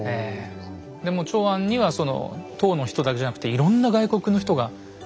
でもう長安には唐の人だけじゃなくいろんな外国の人が来るので。